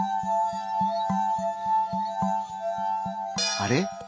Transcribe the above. あれ？